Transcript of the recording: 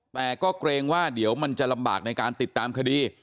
แต่ก็เกรงว่าเดี๋ยวมันจะลำบากในการติดตามคดี